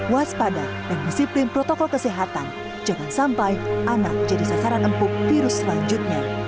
waspada dan disiplin protokol kesehatan jangan sampai anak jadi sasaran empuk virus selanjutnya